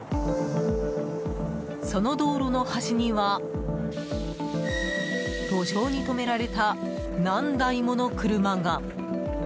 その道路の端には路上に止められた何台もの車が。